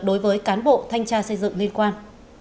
đối với cán bộ thanh tra xây dựng liên quan